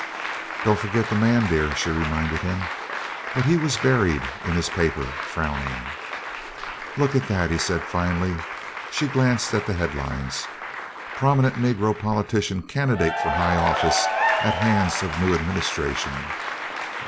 "Don't forget the man, dear," she reminded him; but he was buried in his paper, frowning. "Look at that," he said finally. She glanced at the head lines "Prominent Negro Politician Candidate for High Office at Hands of New Administration.